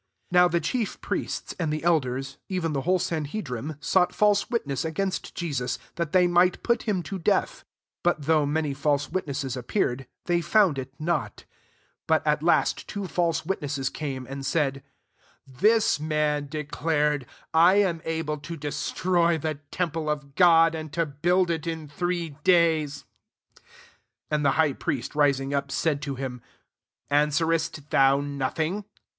59 Now the chief priests, [and the eiders] even the whole sanhedrim sought false witness against Jesus, that they might put him to death; 60 but [though many false witnesses appear^] they found tV not But at last two false witnesses came, 61 and said, " This roan declared, < I am able to destroy the tem ple of God, and to build it in three days.* " 62 And the high priest, rising up, said to him, •*Answerest thou nothing?